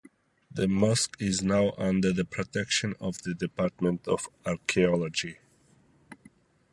The mosque is now under the protection of the Department of Archaeology.